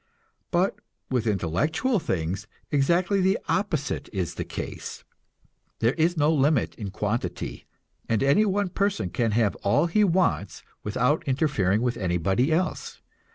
But with intellectual things exactly the opposite is the case. There is no limit in quantity, and any one person can have all he wants without interfering with anybody else.